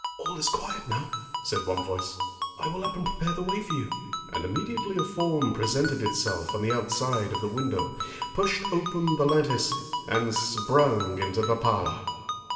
"All is quiet now," said one voice; "I will up and prepare the way for you." And immediately a form presented itself on the outside of the window, pushed open the lattice, and sprung into the parlour.